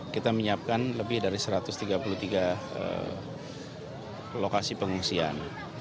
kita menyiapkan lebih dari satu ratus tiga puluh tiga lokasi pengungsian